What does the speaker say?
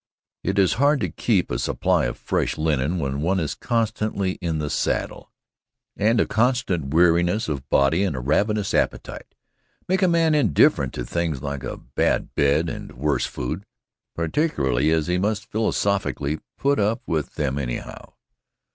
It is hard to keep a supply of fresh linen when one is constantly in the saddle, and a constant weariness of body and a ravenous appetite make a man indifferent to things like a bad bed and worse food, particularly as he must philosophically put up with them, anyhow.